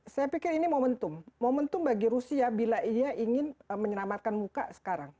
saya pikir ini momentum momentum bagi rusia bila ia ingin menyelamatkan muka sekarang